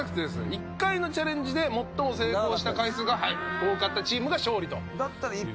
１回のチャレンジで最も成功した回数が多かったチームが勝利と。